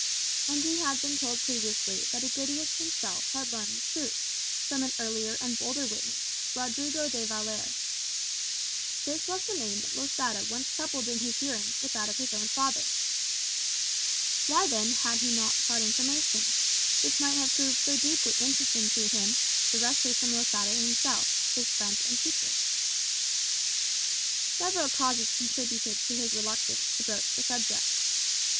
And he had been told previously that Egidius himself had learned the truth from an earlier and bolder witness, Rodrigo de Valer. This was the name that Losada once coupled in his hearing with that of his own father. Why then had he not sought information, which might have proved so deeply interesting to him, directly from Losada himself, his friend and teacher? Several causes contributed to his reluctance to broach the subject.